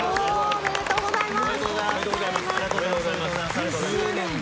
おめでとうございます１０年だ。